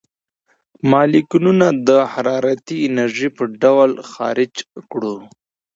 مالیکولونه د حرارتي انرژۍ په ډول خارج کړو.